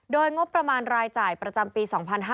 โดยงบประมาณรายจ่ายประจำปี๒๕๕๙